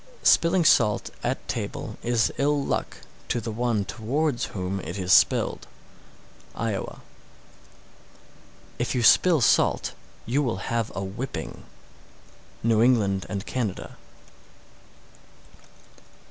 Spilling salt at table is ill luck to the one towards whom it is spilled. Iowa. 649. If you spill salt, you will have a whipping. _New England and Canada.